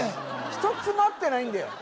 １つも合ってないんだよ